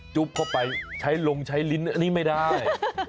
เข้าไปใช้ลงใช้ลิ้นอันนี้ไม่ได้